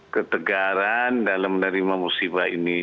ketegaran dalam menerima musibah ini